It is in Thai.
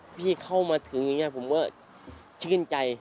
พี่เข้ามาถึงอย่างนี้ผมก็ชื่นใจ